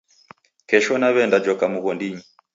Kesho naw'eenda joka mghondinyi